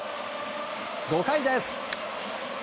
５回です。